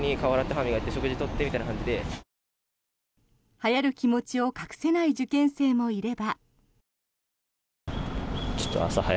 はやる気持ちを隠せない受験生もいれば。